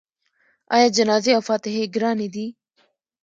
آیا جنازې او فاتحې ګرانې دي؟